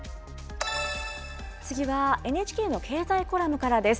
次はＮＨＫの経済コラムからです。